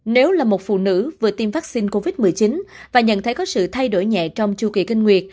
nếu là một phụ nữ vừa tiêm vaccine covid một mươi chín và nhận thấy có sự thay đổi nhẹ trong chu kỳ kinh nguyệt